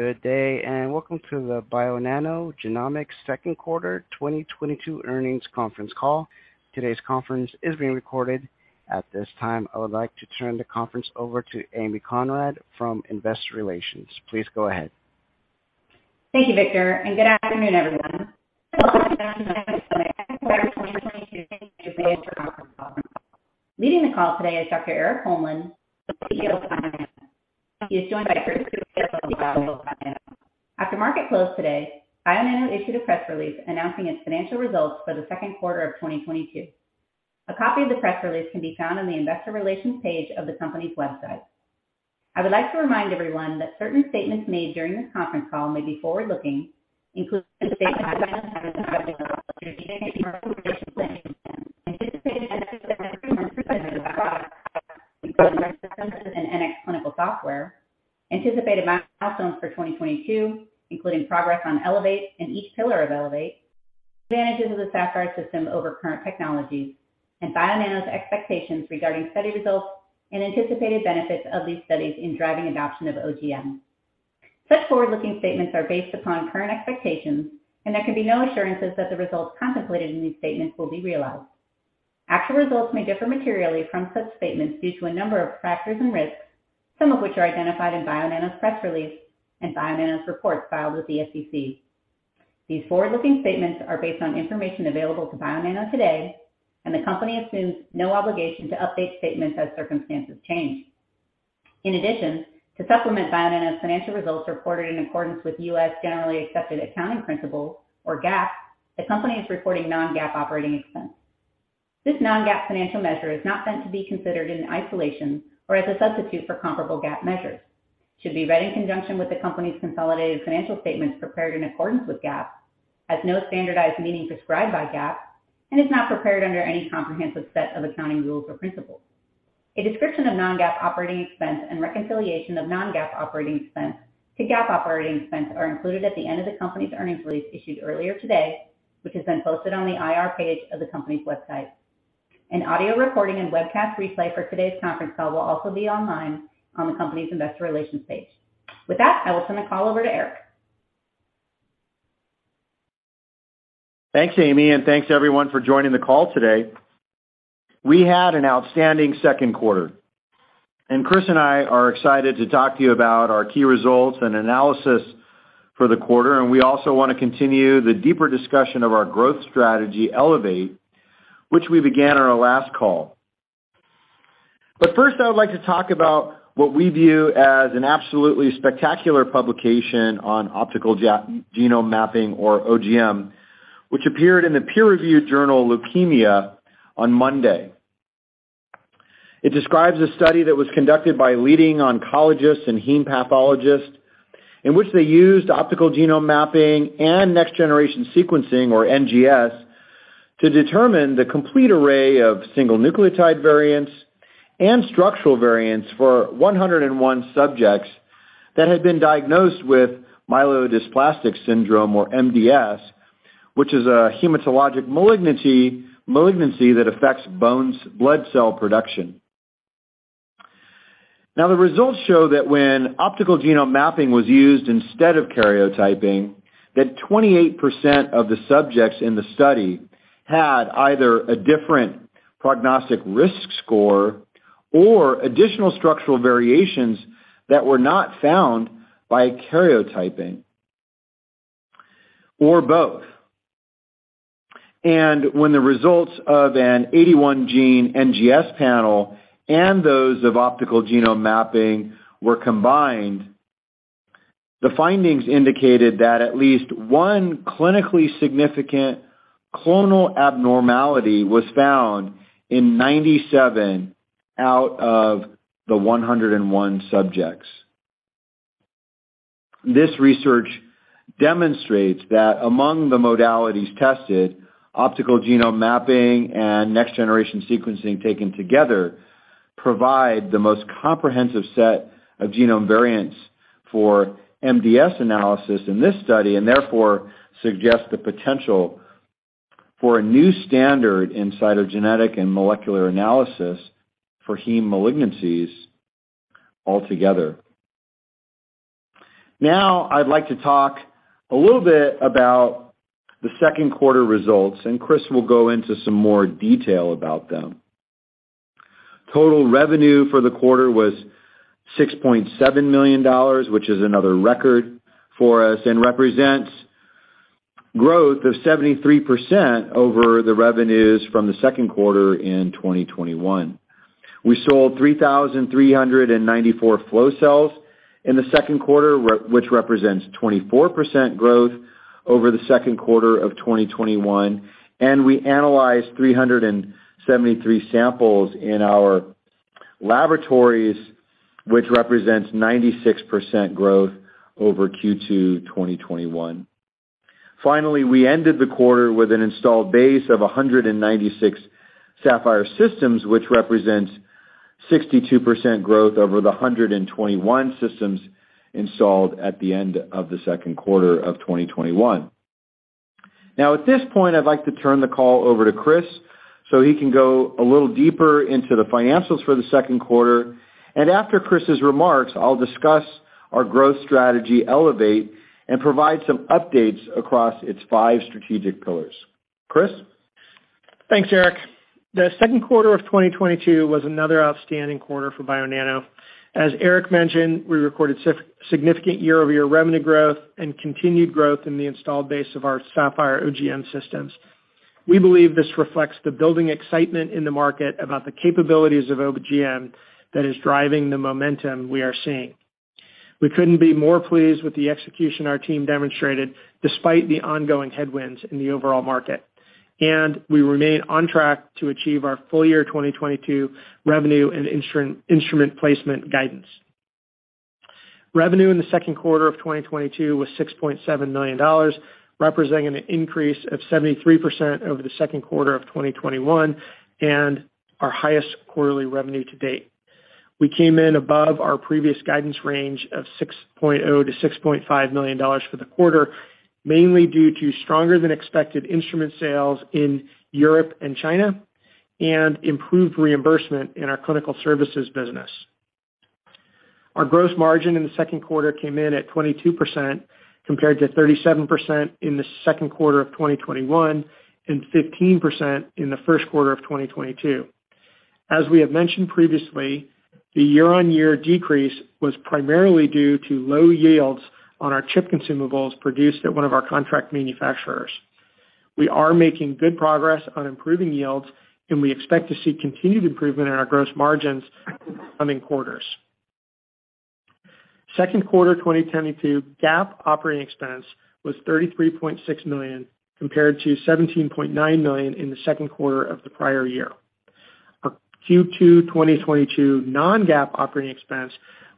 Good day, and welcome to the Bionano Genomics second quarter 2022 earnings conference call. Today's conference is being recorded. At this time, I would like to turn the conference over to Amy Conrad from Investor Relations. Please go ahead. Thank you, Victor, and good afternoon, everyone. Welcome to Bionano Genomics's second quarter 2022 financial conference call. Leading the call today is Dr. Erik Holmlin, the CEO of Bionano. He is joined by Chris of Bionano. After market close today, Bionano issued a press release announcing its financial results for the second quarter of 2022. A copy of the press release can be found on the investor relations page of the company's website. I would like to remind everyone that certain statements made during this conference call may be forward-looking, including the statements anticipated clinical software, anticipated milestones for 2022, including progress on Elevate and each pillar of Elevate, advantages of the Saphyr system over current technologies, and Bionano's expectations regarding study results and anticipated benefits of these studies in driving adoption of OGM. Such forward-looking statements are based upon current expectations, and there can be no assurances that the results contemplated in these statements will be realized. Actual results may differ materially from such statements due to a number of factors and risks, some of which are identified in Bionano's press release and Bionano's reports filed with the SEC. These forward-looking statements are based on information available to Bionano today, and the company assumes no obligation to update statements as circumstances change. In addition, to supplement Bionano's financial results reported in accordance with U.S. generally accepted accounting principles, or GAAP, the company is reporting non-GAAP operating expense. This non-GAAP financial measure is not meant to be considered in isolation or as a substitute for comparable GAAP measures. It should be read in conjunction with the company's consolidated financial statements prepared in accordance with GAAP, has no standardized meaning prescribed by GAAP, and is not prepared under any comprehensive set of accounting rules or principles. A description of non-GAAP operating expense and reconciliation of non-GAAP operating expense to GAAP operating expense are included at the end of the company's earnings release issued earlier today, which has been posted on the IR page of the company's website. An audio recording and webcast replay for today's conference call will also be online on the company's investor relations page. With that, I will turn the call over to Erik Holmlin. Thanks, Amy, and thanks everyone for joining the call today. We had an outstanding second quarter, and Chris and I are excited to talk to you about our key results and analysis for the quarter, and we also wanna continue the deeper discussion of our growth strategy, Elevate, which we began on our last call. First, I would like to talk about what we view as an absolutely spectacular publication on optical genome mapping, or OGM, which appeared in the peer-reviewed journal Leukemia on Monday. It describes a study that was conducted by leading oncologists and heme pathologists, in which they used optical genome mapping and next generation sequencing, or NGS, to determine the complete array of single nucleotide variants and structural variants for 101 subjects that had been diagnosed with myelodysplastic syndrome, or MDS, which is a hematologic malignity, malignancy that affects bones' blood cell production. Now, the results show that when optical genome mapping was used instead of karyotyping, that 28% of the subjects in the study had either a different prognostic risk score or additional structural variations that were not found by karyotyping, or both. When the results of an 81 gene NGS panel and those of optical genome mapping were combined, the findings indicated that at least one clinically significant clonal abnormality was found in 97 out of the 101 subjects. This research demonstrates that among the modalities tested, optical genome mapping and next generation sequencing taken together provide the most comprehensive set of genome variants for MDS analysis in this study, and therefore suggest the potential for a new standard in cytogenetic and molecular analysis for hematologic malignancies altogether. Now, I'd like to talk a little bit about the second quarter results, and Chris will go into some more detail about them. Total revenue for the quarter was $6.7 million, which is another record for us and represents growth of 73% over the revenues from the second quarter in 2021. We sold 3,394 Saphyr chips in the second quarter, which represents 24% growth over the second quarter of 2021, and we analyzed 373 samples in our laboratories, which represents 96% growth over Q2 2021. Finally, we ended the quarter with an installed base of 196 Saphyr systems, which represents 62% growth over the 121 systems installed at the end of the second quarter of 2021. Now at this point, I'd like to turn the call over to Chris, so he can go a little deeper into the financials for the second quarter. After Chris's remarks, I'll discuss our growth strategy, Elevate, and provide some updates across its five strategic pillars. Chris? Thanks, Erik. The second quarter of 2022 was another outstanding quarter for Bionano. As Erik mentioned, we recorded significant year-over-year revenue growth and continued growth in the installed base of our Saphyr OGM systems. We believe this reflects the building excitement in the market about the capabilities of OGM that is driving the momentum we are seeing. We couldn't be more pleased with the execution our team demonstrated, despite the ongoing headwinds in the overall market. We remain on track to achieve our full year 2022 revenue and instrument placement guidance. Revenue in the second quarter of 2022 was $6.7 million, representing an increase of 73% over the second quarter of 2021, and our highest quarterly revenue to date. We came in above our previous guidance range of $6.0 million-$6.5 million for the quarter, mainly due to stronger than expected instrument sales in Europe and China and improved reimbursement in our clinical services business. Our gross margin in the second quarter came in at 22%, compared to 37% in the second quarter of 2021, and 15% in the first quarter of 2022. As we have mentioned previously, the year-on-year decrease was primarily due to low yields on our chip consumables produced at one of our contract manufacturers. We are making good progress on improving yields, and we expect to see continued improvement in our gross margins in coming quarters. Second quarter, 2022, GAAP operating expense was $33.6 million, compared to $17.9 million in the second quarter of the prior year. Our Q2 2022 non-GAAP operating expense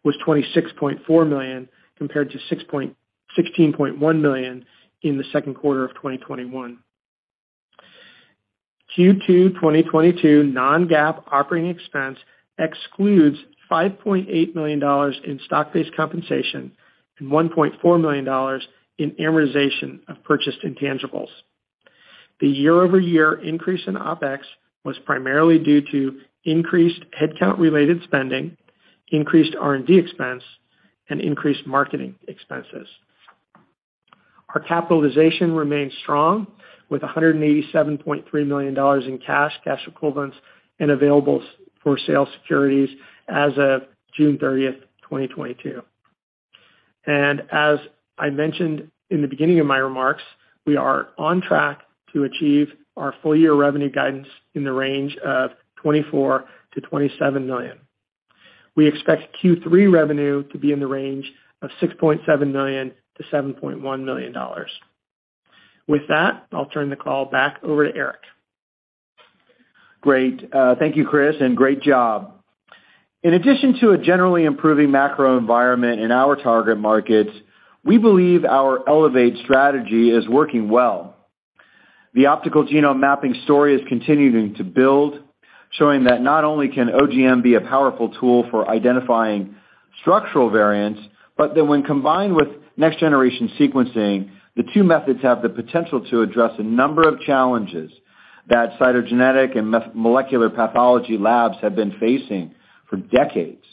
was $26.4 million compared to $16.1 million in the second quarter of 2021. Q2 2022 non-GAAP operating expense excludes $5.8 million in stock-based compensation and $1.4 million in amortization of purchased intangibles. The year-over-year increase in OpEx was primarily due to increased headcount related spending, increased R&D expense, and increased marketing expenses. Our capitalization remains strong with $187.3 million in cash equivalents, and available-for-sale securities as of June 30, 2022. As I mentioned in the beginning of my remarks, we are on track to achieve our full year revenue guidance in the range of $24 million-$27 million. We expect Q3 revenue to be in the range of $6.7 million-$7.1 million. With that, I'll turn the call back over to Erik. Great. Thank you, Chris, and great job. In addition to a generally improving macro environment in our target markets, we believe our Elevate strategy is working well. The optical genome mapping story is continuing to build, showing that not only can OGM be a powerful tool for identifying structural variants, but that when combined with next-generation sequencing, the two methods have the potential to address a number of challenges that cytogenetic and molecular pathology labs have been facing for decades.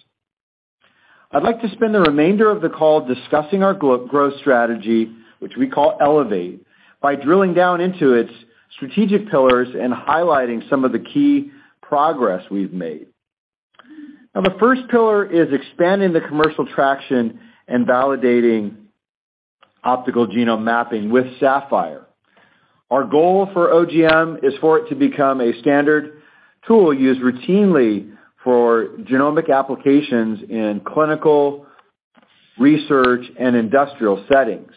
I'd like to spend the remainder of the call discussing our growth strategy, which we call Elevate, by drilling down into its strategic pillars and highlighting some of the key progress we've made. Now, the first pillar is expanding the commercial traction and validating optical genome mapping with Saphyr. Our goal for OGM is for it to become a standard tool used routinely for genomic applications in clinical, research, and industrial settings.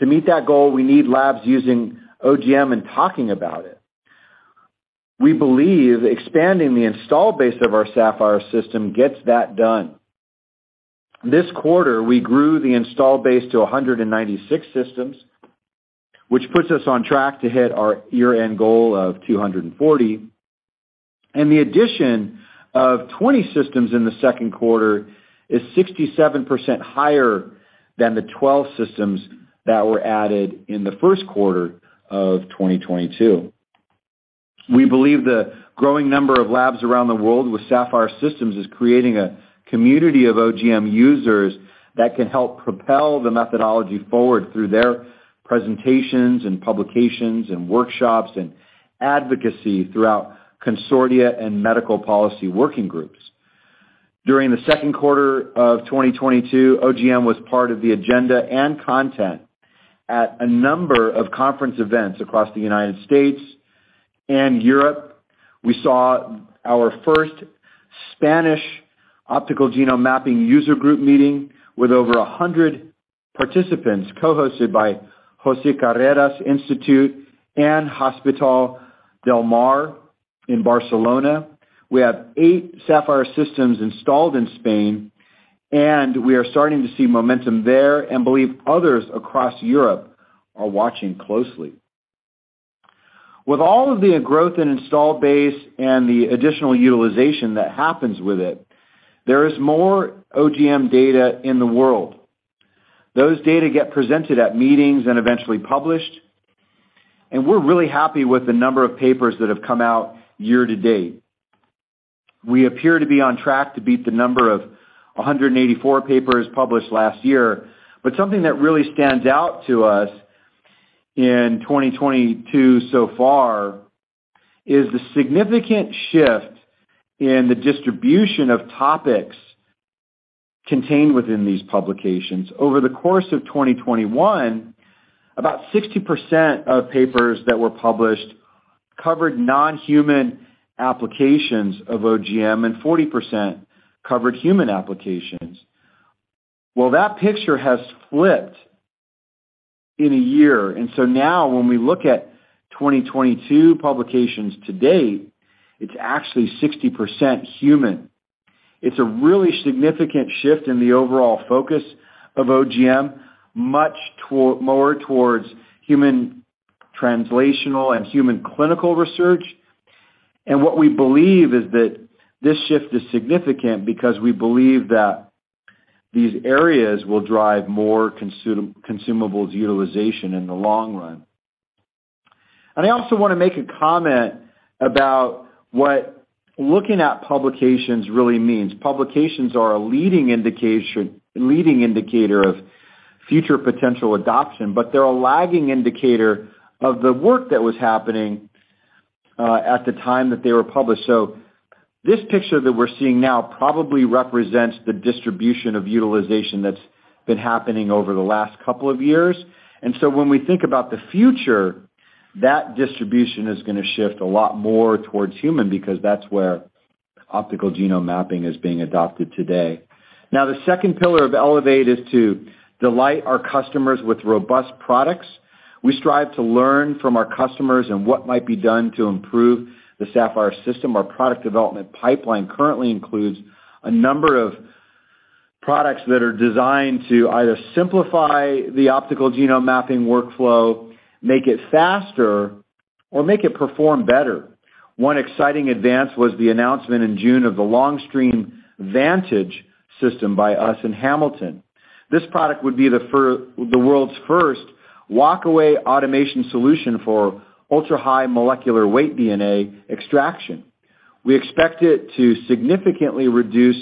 To meet that goal, we need labs using OGM and talking about it. We believe expanding the installed base of our Saphyr system gets that done. This quarter, we grew the installed base to 196 systems, which puts us on track to hit our year-end goal of 240. The addition of 20 systems in the second quarter is 67% higher than the 12 systems that were added in the first quarter of 2022. We believe the growing number of labs around the world with Saphyr systems is creating a community of OGM users that can help propel the methodology forward through their presentations and publications and workshops and advocacy throughout consortia and medical policy working groups. During the second quarter of 2022, OGM was part of the agenda and content at a number of conference events across the United States and Europe. We saw our first Spanish optical genome mapping user group meeting with over 100 participants, co-hosted by Josep Carreras Leukaemia Research Institute and Hospital del Mar in Barcelona. We have eight Saphyr systems installed in Spain, and we are starting to see momentum there and believe others across Europe are watching closely. With all of the growth in install base and the additional utilization that happens with it, there is more OGM data in the world. Those data get presented at meetings and eventually published, and we're really happy with the number of papers that have come out year to date. We appear to be on track to beat the number of 184 papers published last year, but something that really stands out to us in 2022 so far is the significant shift in the distribution of topics contained within these publications. Over the course of 2021, about 60% of papers that were published covered non-human applications of OGM, and 40% covered human applications. Well, that picture has flipped in a year, and so now when we look at 2022 publications to date, it's actually 60% human. It's a really significant shift in the overall focus of OGM, more towards human translational and human clinical research. What we believe is that this shift is significant because we believe that these areas will drive more consumables utilization in the long run. I also wanna make a comment about what looking at publications really means. Publications are a leading indicator of future potential adoption, but they're a lagging indicator of the work that was happening at the time that they were published. This picture that we're seeing now probably represents the distribution of utilization that's been happening over the last couple of years. When we think about the future, that distribution is gonna shift a lot more towards human because that's where optical genome mapping is being adopted today. Now, the second pillar of Elevate is to delight our customers with robust products. We strive to learn from our customers and what might be done to improve the Saphyr system. Our product development pipeline currently includes a number of products that are designed to either simplify the optical genome mapping workflow, make it faster, or make it perform better. One exciting advance was the announcement in June of the Long String VANTAGE system by us and Hamilton. This product would be the world's first walkaway automation solution for ultra-high molecular weight DNA extraction. We expect it to significantly reduce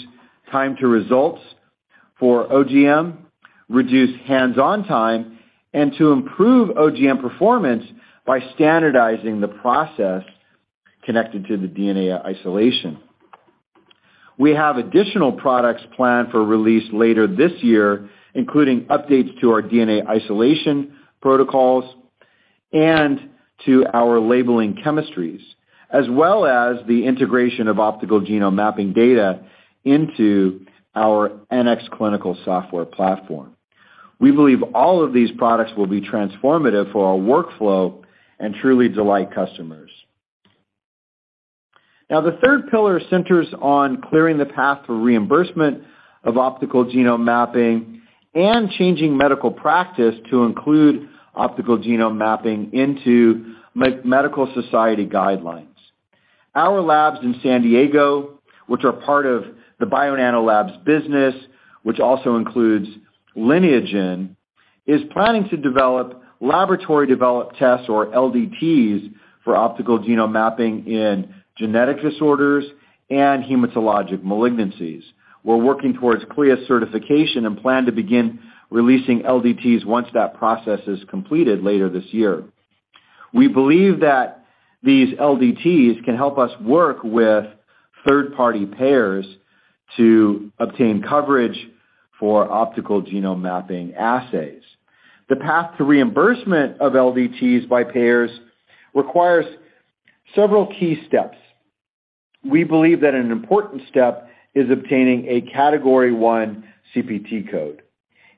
time to results for OGM, reduce hands-on time, and to improve OGM performance by standardizing the process connected to the DNA isolation. We have additional products planned for release later this year, including updates to our DNA isolation protocols and to our labeling chemistries, as well as the integration of optical genome mapping data into our NxClinical software platform. We believe all of these products will be transformative for our workflow and truly delight customers. Now, the third pillar centers on clearing the path for reimbursement of optical genome mapping and changing medical practice to include optical genome mapping into medical society guidelines. Our labs in San Diego, which are part of the Bionano Laboratories business, which also includes Lineagen, is planning to develop laboratory developed tests or LDTs for optical genome mapping in genetic disorders and hematologic malignancies. We're working towards CLIA certification and plan to begin releasing LDTs once that process is completed later this year. We believe that these LDTs can help us work with third-party payers to obtain coverage for optical genome mapping assays. The path to reimbursement of LDTs by payers requires several key steps. We believe that an important step is obtaining a Category I CPT code.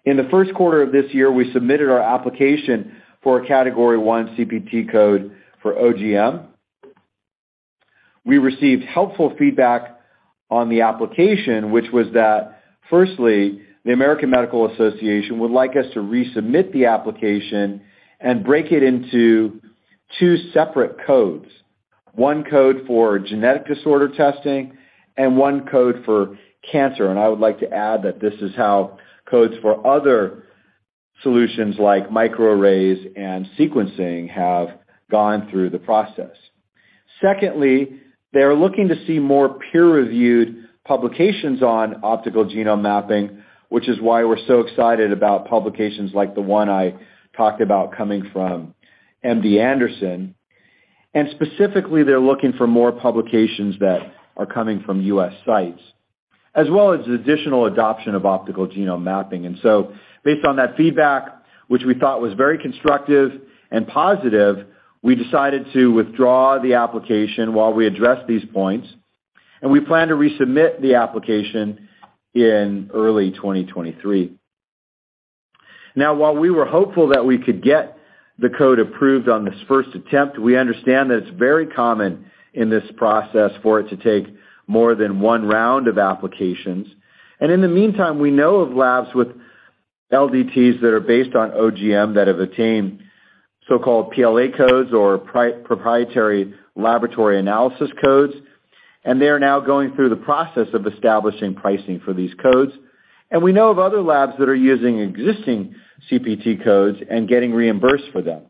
In the first quarter of this year, we submitted our application for a Category I CPT code for OGM. We received helpful feedback on the application, which was that, firstly, the American Medical Association would like us to resubmit the application and break it into two separate codes, one code for genetic disorder testing and one code for cancer. I would like to add that this is how codes for other solutions like microarrays and sequencing have gone through the process. Secondly, they're looking to see more peer-reviewed publications on optical genome mapping, which is why we're so excited about publications like the one I talked about coming from MD Anderson. Specifically, they're looking for more publications that are coming from U.S. sites, as well as additional adoption of optical genome mapping. Based on that feedback, which we thought was very constructive and positive, we decided to withdraw the application while we address these points, and we plan to resubmit the application in early 2023. Now, while we were hopeful that we could get the code approved on this first attempt, we understand that it's very common in this process for it to take more than one round of applications. In the meantime, we know of labs with LDTs that are based on OGM that have attained so-called PLA codes or proprietary laboratory analysis codes, and they are now going through the process of establishing pricing for these codes. We know of other labs that are using existing CPT codes and getting reimbursed for them.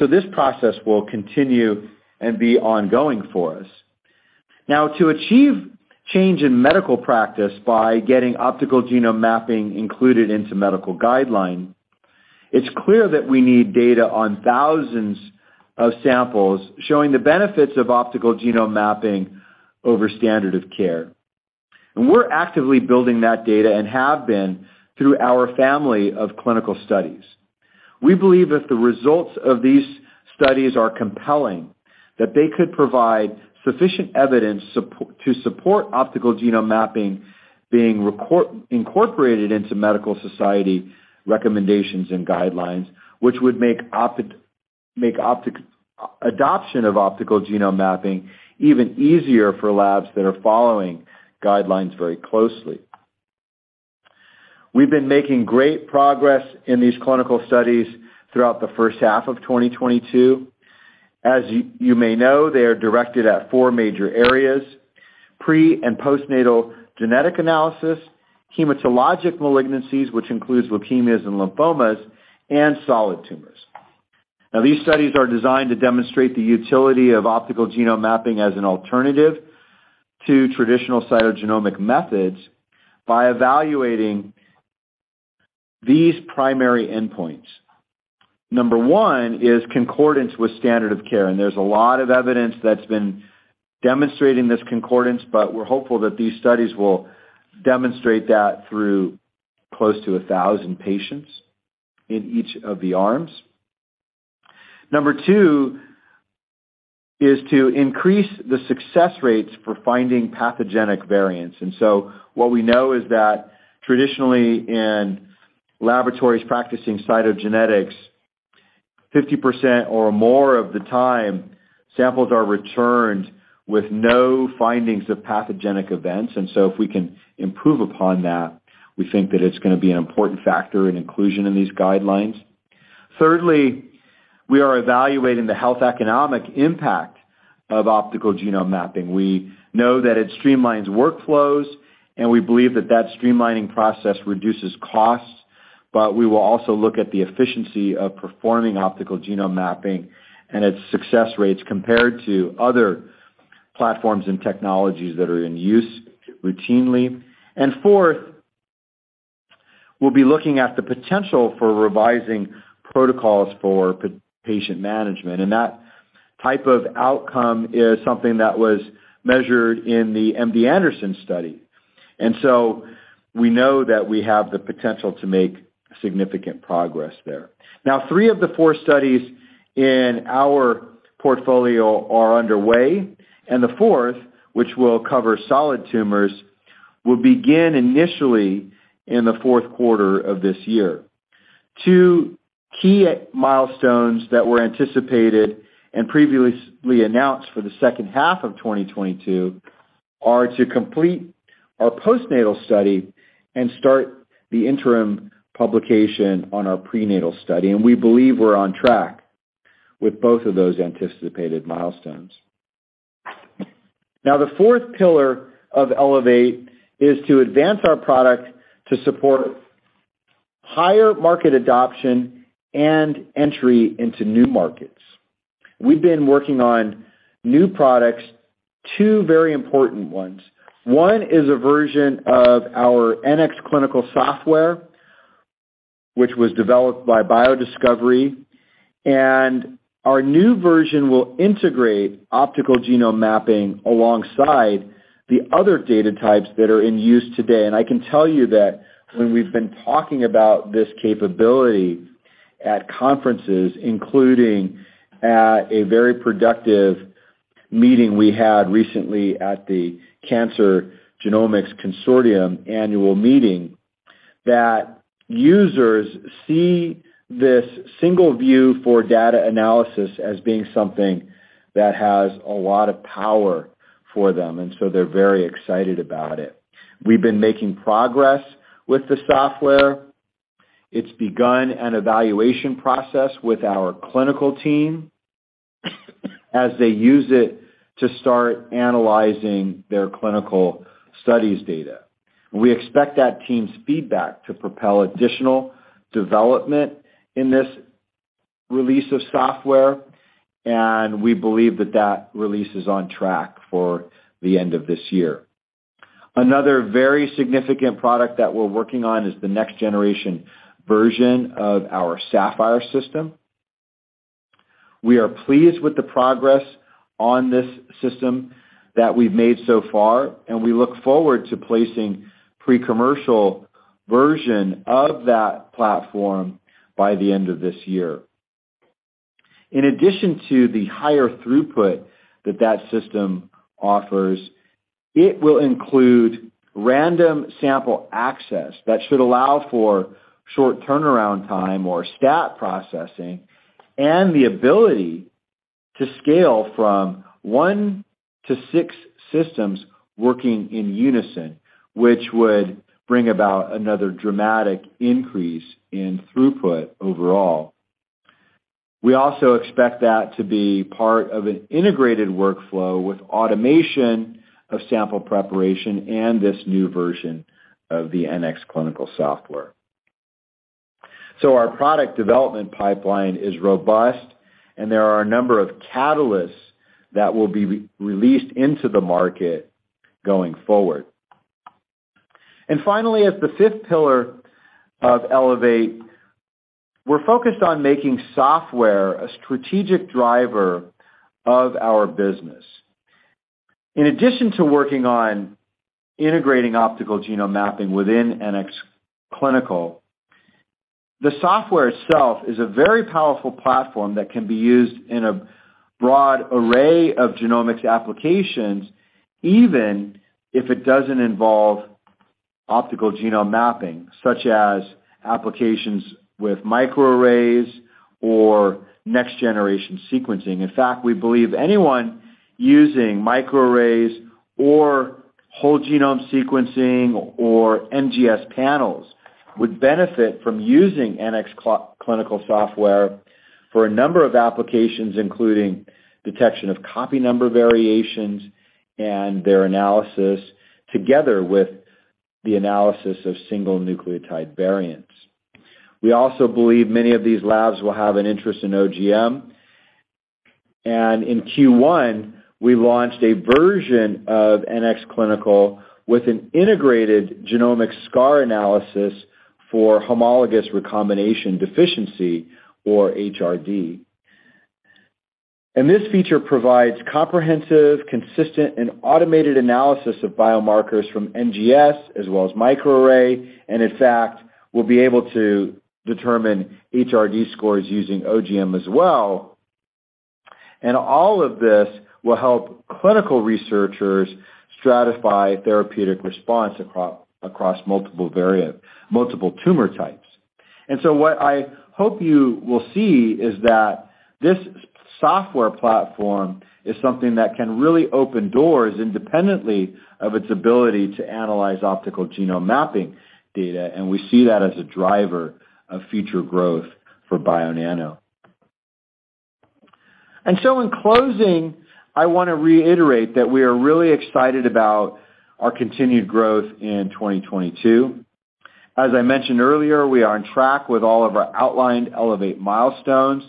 This process will continue and be ongoing for us. Now, to achieve change in medical practice by getting optical genome mapping included into medical guideline, it's clear that we need data on thousands of samples showing the benefits of optical genome mapping over standard of care. We're actively building that data and have been through our family of clinical studies. We believe if the results of these studies are compelling, that they could provide sufficient evidence to support optical genome mapping being incorporated into medical society recommendations and guidelines, which would make adoption of optical genome mapping even easier for labs that are following guidelines very closely. We've been making great progress in these clinical studies throughout the first half of 2022. As you may know, they are directed at four major areas, pre and postnatal genetic analysis, hematologic malignancies, which includes leukemias and lymphomas, and solid tumors. Now, these studies are designed to demonstrate the utility of optical genome mapping as an alternative to traditional cytogenomic methods by evaluating these primary endpoints. Number one is concordance with standard of care, and there's a lot of evidence that's been demonstrating this concordance, but we're hopeful that these studies will demonstrate that through close to 1,000 patients in each of the arms. Number two is to increase the success rates for finding pathogenic variants. What we know is that traditionally in laboratories practicing cytogenetics, 50% or more of the time, samples are returned with no findings of pathogenic events. If we can improve upon that, we think that it's gonna be an important factor in inclusion in these guidelines. Thirdly, we are evaluating the health economic impact of optical genome mapping. We know that it streamlines workflows, and we believe that streamlining process reduces costs, but we will also look at the efficiency of performing optical genome mapping and its success rates compared to other platforms and technologies that are in use routinely. Fourth, we'll be looking at the potential for revising protocols for patient management, and that type of outcome is something that was measured in the MD Anderson study. We know that we have the potential to make significant progress there. Now, three of the four studies in our portfolio are underway, and the fourth, which will cover solid tumors, will begin initially in the fourth quarter of this year. Two key milestones that were anticipated and previously announced for the second half of 2022 are to complete our postnatal study and start the interim publication on our prenatal study, and we believe we're on track with both of those anticipated milestones. Now, the fourth pillar of Elevate is to advance our product to support higher market adoption and entry into new markets. We've been working on new products, two very important ones. One is a version of our NxClinical software, which was developed by BioDiscovery, and our new version will integrate optical genome mapping alongside the other data types that are in use today. I can tell you that when we've been talking about this capability at conferences, including at a very productive meeting we had recently at the Cancer Genomics Consortium annual meeting, that users see this single view for data analysis as being something that has a lot of power for them. They're very excited about it. We've been making progress with the software. It's begun an evaluation process with our clinical team as they use it to start analyzing their clinical studies data. We expect that team's feedback to propel additional development in this release of software, and we believe that that release is on track for the end of this year. Another very significant product that we're working on is the next generation version of our Saphyr system. We are pleased with the progress on this system that we've made so far, and we look forward to placing pre-commercial version of that platform by the end of this year. In addition to the higher throughput that system offers, it will include random sample access that should allow for short turnaround time or stat processing and the ability to scale from one to six systems working in unison, which would bring about another dramatic increase in throughput overall. We also expect that to be part of an integrated workflow with automation of sample preparation and this new version of the NxClinical software. Our product development pipeline is robust, and there are a number of catalysts that will be released into the market going forward. Finally, at the fifth pillar of Elevate, we're focused on making software a strategic driver of our business. In addition to working on integrating optical genome mapping within NXClinical, the software itself is a very powerful platform that can be used in a broad array of genomics applications, even if it doesn't involve optical genome mapping, such as applications with microarrays or next-generation sequencing. In fact, we believe anyone using microarrays or whole genome sequencing or NGS panels would benefit from using NXClinical software for a number of applications, including detection of copy number variations and their analysis, together with the analysis of single nucleotide variants. We also believe many of these labs will have an interest in OGM. In Q1, we launched a version of NXClinical with an integrated genomic scar analysis for homologous recombination deficiency, or HRD. This feature provides comprehensive, consistent, and automated analysis of biomarkers from NGS as well as microarray, and in fact, we'll be able to determine HRD scores using OGM as well. All of this will help clinical researchers stratify therapeutic response across multiple tumor types. What I hope you will see is that this software platform is something that can really open doors independently of its ability to analyze optical genome mapping data, and we see that as a driver of future growth for Bionano. In closing, I wanna reiterate that we are really excited about our continued growth in 2022. As I mentioned earlier, we are on track with all of our outlined Elevate milestones,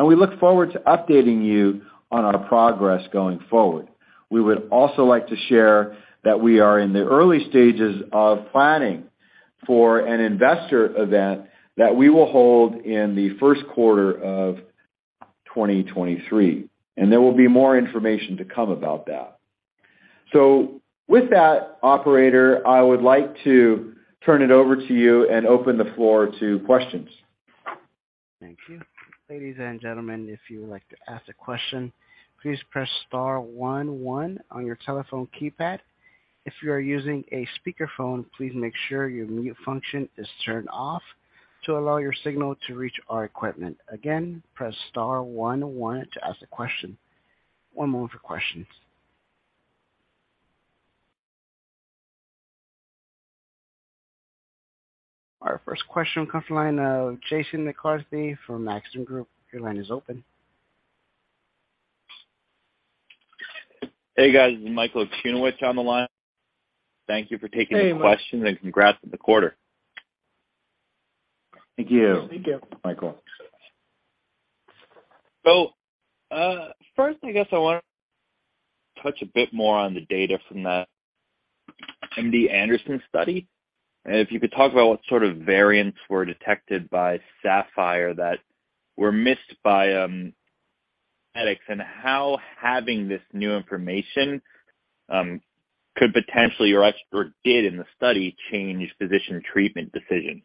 and we look forward to updating you on our progress going forward. We would also like to share that we are in the early stages of planning for an investor event that we will hold in the first quarter of 2023, and there will be more information to come about that. With that, operator, I would like to turn it over to you and open the floor to questions. Thank you. Ladies and gentlemen, if you would like to ask a question, please press star one one on your telephone keypad. If you are using a speakerphone, please make sure your mute function is turned off to allow your signal to reach our equipment. Again, press star one one to ask a question. One moment for questions. Our first question comes from the line of Jason McCarthy from Maxim Group. Your line is open. Hey, guys. This is Michael Okunewitch on the line. Thank you for taking the question, and congrats on the quarter. Thank you. Thank you. Michael. First, I guess I wanna touch a bit more on the data from that MD Anderson study. If you could talk about what sort of variants were detected by Saphyr that were missed by exome, and how having this new information could potentially or expert did in the study change physician treatment decisions.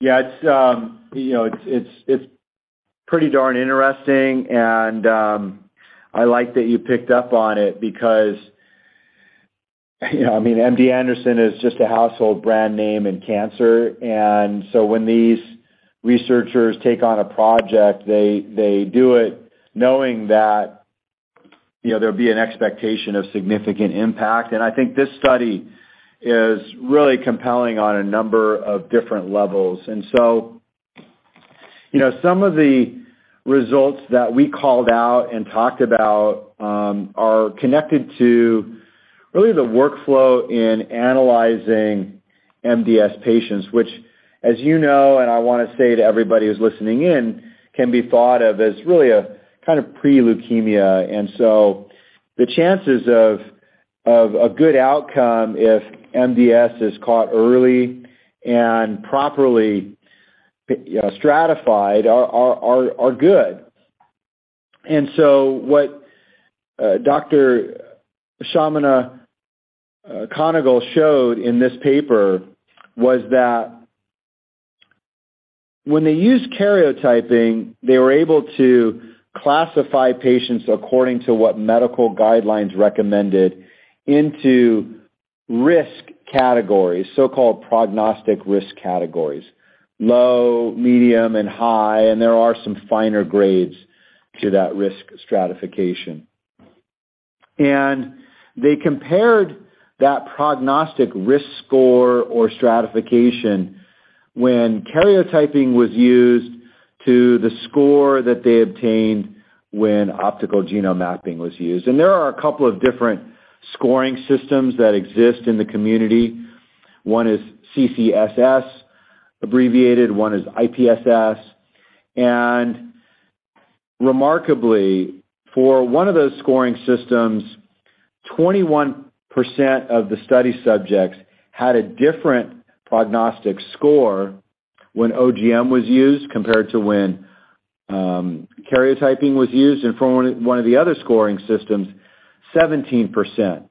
Yeah, it's you know, it's pretty darn interesting, and I like that you picked up on it because, you know, I mean, MD Anderson is just a household brand name in cancer. When these researchers take on a project, they do it knowing that, you know, there'll be an expectation of significant impact. I think this study is really compelling on a number of different levels. You know, some of the results that we called out and talked about are connected to really the workflow in analyzing MDS patients, which as you know, and I wanna say to everybody who's listening in, can be thought of as really a kind of pre-leukemia. The chances of a good outcome if MDS is caught early and properly, you know, stratified are good. What Dr. Rashmi Kanagal-Shamanna showed in this paper was that when they used karyotyping, they were able to classify patients according to what medical guidelines recommended into risk categories, so-called prognostic risk categories, low, medium and high, and there are some finer grades to that risk stratification. They compared that prognostic risk score or stratification when karyotyping was used to the score that they obtained when optical genome mapping was used. There are a couple of different scoring systems that exist in the community. One is CCSS, abbreviated, one is IPSS. Remarkably, for one of those scoring systems, 21% of the study subjects had a different prognostic score when OGM was used compared to when karyotyping was used. For one of the other scoring systems, 17%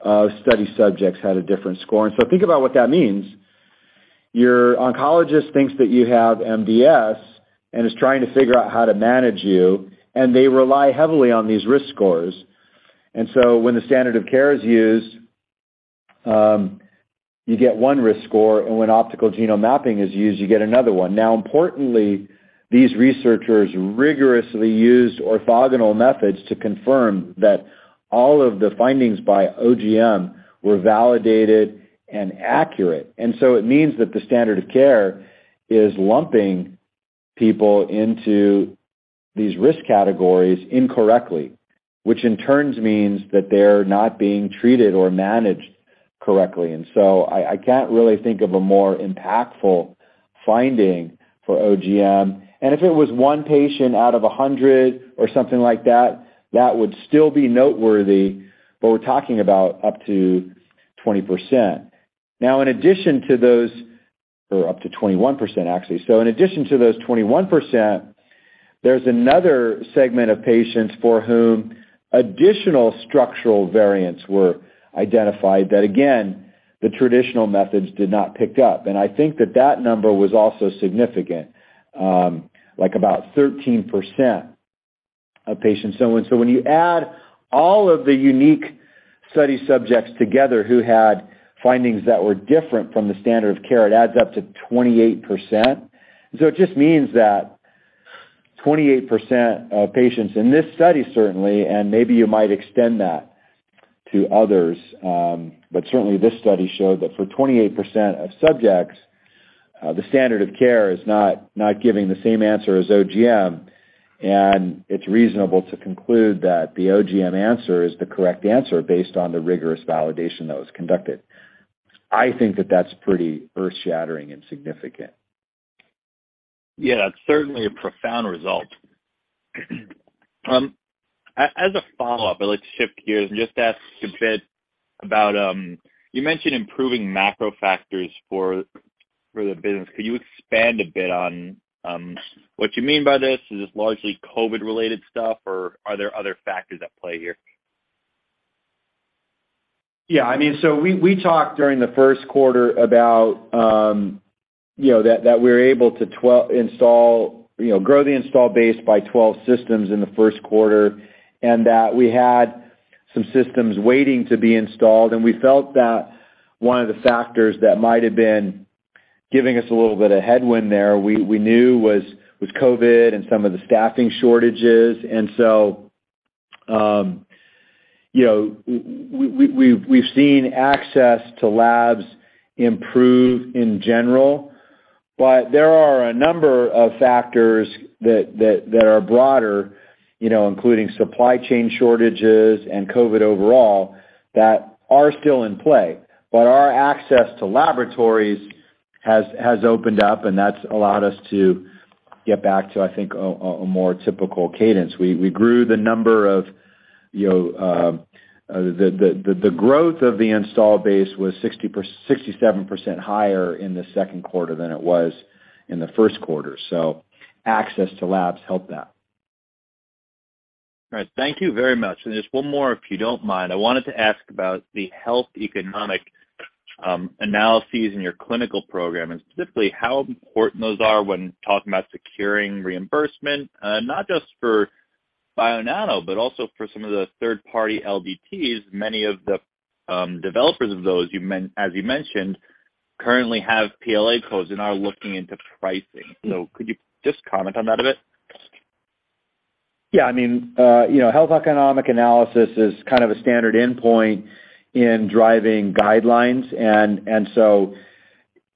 of study subjects had a different score. Think about what that means. Your oncologist thinks that you have MDS and is trying to figure out how to manage you, and they rely heavily on these risk scores. When the standard of care is used, you get one risk score, and when optical genome mapping is used, you get another one. Now importantly, these researchers rigorously used orthogonal methods to confirm that all of the findings by OGM were validated and accurate. It means that the standard of care is lumping people into these risk categories incorrectly, which in turn means that they're not being treated or managed correctly. I can't really think of a more impactful finding for OGM. If it was one patient out of 100 or something like that would still be noteworthy, but we're talking about up to 20%. Now in addition to those or up to 21%, actually. In addition to those 21%, there's another segment of patients for whom additional structural variants were identified that again, the traditional methods did not pick up. I think that number was also significant, like about 13% of patients. When you add all of the unique study subjects together who had findings that were different from the standard of care, it adds up to 28%. It just means that 28% of patients in this study, certainly, and maybe you might extend that to others, but certainly this study showed that for 28% of subjects, the standard of care is not giving the same answer as OGM, and it's reasonable to conclude that the OGM answer is the correct answer based on the rigorous validation that was conducted. I think that that's pretty earth-shattering and significant. Yeah, that's certainly a profound result. As a follow-up, I'd like to shift gears and just ask a bit about you mentioned improving macro factors for the business. Could you expand a bit on what you mean by this? Is this largely COVID-related stuff, or are there other factors at play here? I mean, we talked during the first quarter about, you know, that we're able to install, you know, grow the installed base by 12 systems in the first quarter, and that we had some systems waiting to be installed. We felt that one of the factors that might have been giving us a little bit of headwind there, we knew was COVID and some of the staffing shortages. You know, we've seen access to labs improve in general. There are a number of factors that are broader, you know, including supply chain shortages and COVID overall that are still in play. Our access to laboratories has opened up, and that's allowed us to get back to, I think, a more typical cadence. We grew the number of, you know, the growth of the installed base was 67% higher in the second quarter than it was in the first quarter. Access to labs helped that. All right. Thank you very much. Just one more, if you don't mind. I wanted to ask about the health economic analyses in your clinical program, and specifically how important those are when talking about securing reimbursement, not just for Bionano, but also for some of the third-party LDTs. Many of the developers of those, as you mentioned, currently have PLA codes and are looking into pricing. Could you just comment on that a bit? Yeah. I mean, you know, health economic analysis is kind of a standard endpoint in driving guidelines.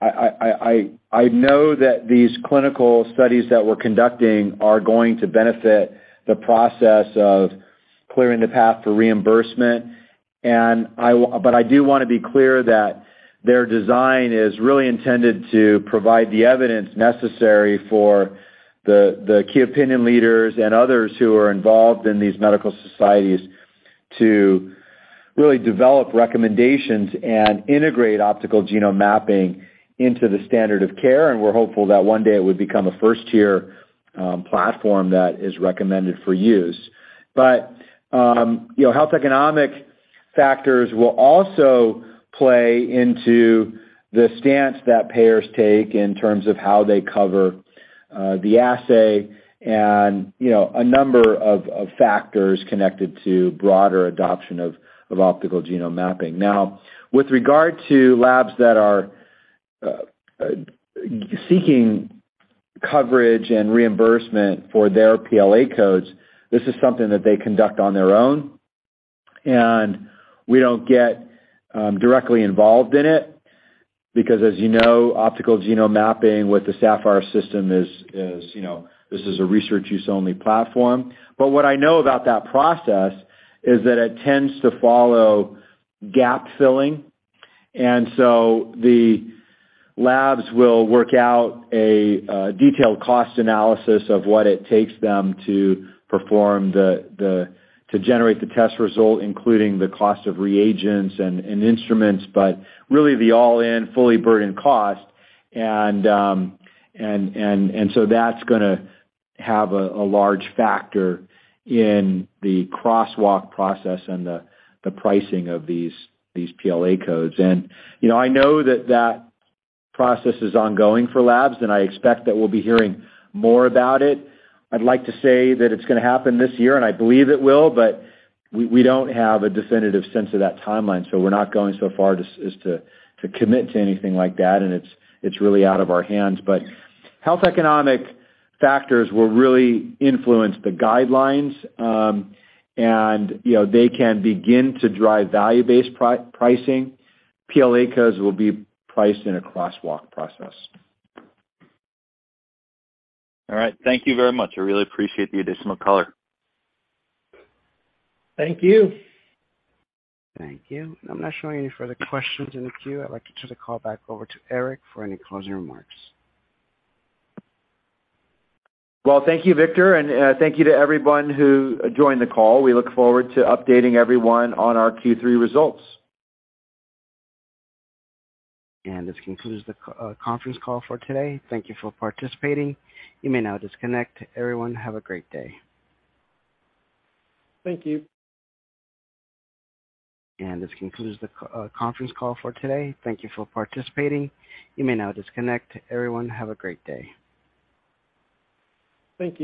I know that these clinical studies that we're conducting are going to benefit the process of clearing the path for reimbursement. But I do wanna be clear that their design is really intended to provide the evidence necessary for the key opinion leaders and others who are involved in these medical societies to really develop recommendations and integrate optical genome mapping into the standard of care. We're hopeful that one day it would become a first-tier platform that is recommended for use. You know, health economic factors will also play into the stance that payers take in terms of how they cover the assay and, you know, a number of factors connected to broader adoption of optical genome mapping. Now, with regard to labs that are seeking coverage and reimbursement for their PLA codes, this is something that they conduct on their own. We don't get directly involved in it because as you know, optical genome mapping with the Saphyr system is you know, this is a research-use only platform. What I know about that process is that it tends to follow gap filling. The labs will work out a detailed cost analysis of what it takes them to perform to generate the test result, including the cost of reagents and instruments, but really the all-in, fully burdened cost. That's gonna have a large factor in the crosswalk process and the pricing of these PLA codes. You know, I know that process is ongoing for labs, and I expect that we'll be hearing more about it. I'd like to say that it's gonna happen this year, and I believe it will, but we don't have a definitive sense of that timeline, so we're not going so far as to commit to anything like that. It's really out of our hands. Health economic factors will really influence the guidelines, and, you know, they can begin to drive value-based pricing. PLA codes will be priced in a crosswalk process. All right. Thank you very much. I really appreciate the additional color. Thank you. Thank you. I'm not showing any further questions in the queue. I'd like to turn the call back over to Erik for any closing remarks. Well, thank you, Victor, and thank you to everyone who joined the call. We look forward to updating everyone on our Q3 results. This concludes the conference call for today. Thank you for participating. You may now disconnect. Everyone, have a great day. Thank you. This concludes the conference call for today. Thank you for participating. You may now disconnect. Everyone, have a great day. Thank you.